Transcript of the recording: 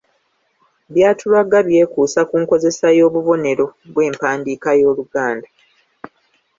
By'atulaga byekuusa ku nkozesa y'obubonero bw'empandiika y'Oluganda.